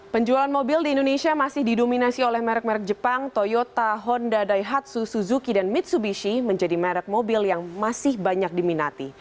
penjualan mobil di indonesia masih didominasi oleh merek merek jepang toyota honda daihatsu suzuki dan mitsubishi menjadi merek mobil yang masih banyak diminati